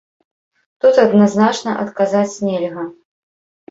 Тут адназначна адказаць нельга.